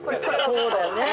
そうだよね。